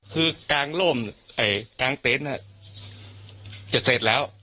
คือกลางโล่มเอ่ยกลางเตนท์น่ะจะเสร็จแล้ว